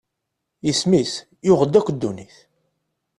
Isem-is yuɣ-d akk ddunit.